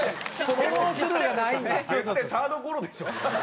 絶対サードゴロでしょ。